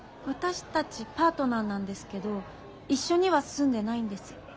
私たちパートナーなんですけど一緒には住んでないんです。